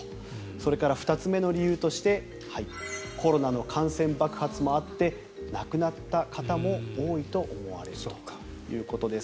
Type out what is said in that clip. それから、２つ目の理由としてコロナの感染爆発もあって亡くなった方も多いと思われるということです。